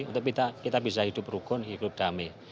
untuk kita bisa hidup rukun hidup damai